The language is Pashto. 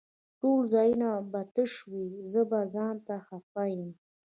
ټول ځايونه به تش وي زه به ځانته خپه يم